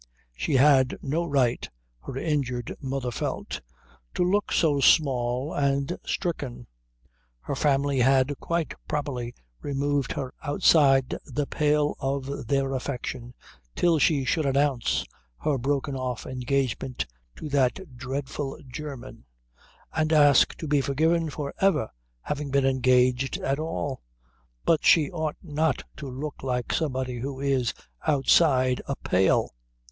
She had no right, her injured mother felt, to look so small and stricken. Her family had quite properly removed her outside the pale of their affection till she should announce her broken off engagement to that dreadful German and ask to be forgiven for ever having been engaged at all, but she ought not to look like somebody who is outside a pale.